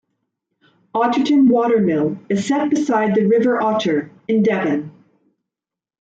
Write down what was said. Otterton Water Mill is set beside the River Otter in Devon.